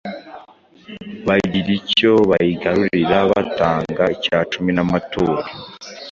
bagira icyo bayigarurira batanga icyacumi n’amaturo: